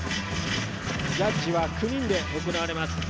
ジャッジは９人で行われます。